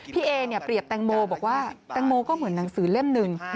พี่เอเนี่ยเปรียบแตงโมบอกว่าแตงโมก็เหมือนหนังสือเล่มหนึ่ง